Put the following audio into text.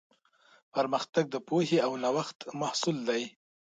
پرمختګ د پوهې او نوښت محصول دی.